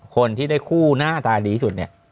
คนที่ได้คู่หน้าตาดีที่สุดเนี่ย